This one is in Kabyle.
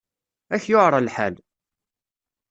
Ad k-yuεer lḥal.